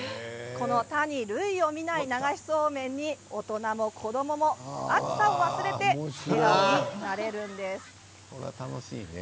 他に類を見ない流しそうめんに大人も子どもも暑さを忘れて１つになれるんです。